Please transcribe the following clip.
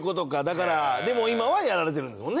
だからでも今はやられてるんですもんね。